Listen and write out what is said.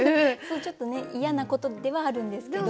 ちょっとね嫌なことではあるんですけど。